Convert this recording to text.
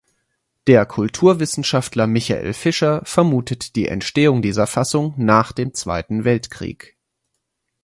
Der Kulturwissenschaftler Michael Fischer vermutet die Entstehung dieser Fassung nach dem Zweiten Weltkrieg.